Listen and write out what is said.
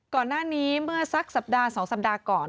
ก่อนหน้านี้เมื่อสักสัปดาห์๒สัปดาห์ก่อน